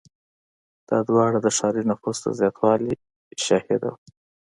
• دا دوره د ښاري نفوس د زیاتوالي شاهده وه.